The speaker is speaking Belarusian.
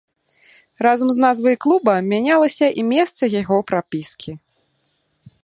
Разам з назвай клуба мянялася і месца яго прапіскі.